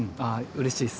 うれしいっす。